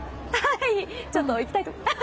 ちょっと行きたいと思います。